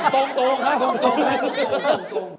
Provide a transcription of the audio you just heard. ผมตรงครับ